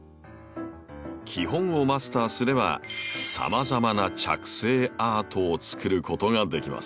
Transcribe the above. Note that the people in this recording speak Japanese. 基本をマスターすればさまざまな着生アートをつくることができます。